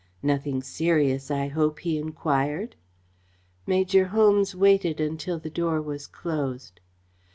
"Nothing serious, I hope," he enquired. Major Holmes waited until the door was closed.